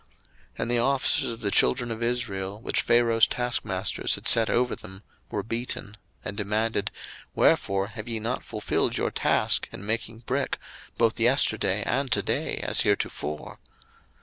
02:005:014 And the officers of the children of Israel, which Pharaoh's taskmasters had set over them, were beaten, and demanded, Wherefore have ye not fulfilled your task in making brick both yesterday and to day, as heretofore?